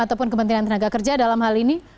ataupun kementerian tenaga kerja dalam hal ini